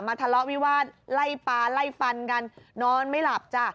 ทะเลาะวิวาสไล่ปลาไล่ฟันกันนอนไม่หลับจ้ะ